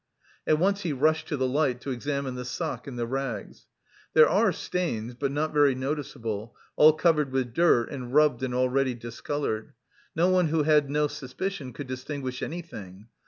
At once he rushed to the light to examine the sock and the rags. "There are stains, but not very noticeable; all covered with dirt, and rubbed and already discoloured. No one who had no suspicion could distinguish anything.